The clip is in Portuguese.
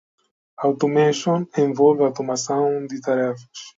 Automation envolve a automação de tarefas.